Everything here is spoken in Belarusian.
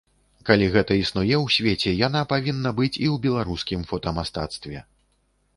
Калі гэта існуе ў свеце, яна павінна быць і ў беларускім фотамастацтве!